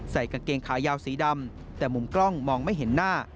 กางเกงขายาวสีดำแต่มุมกล้องมองไม่เห็นหน้า